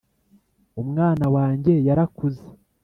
umwana wanjye yarakuze.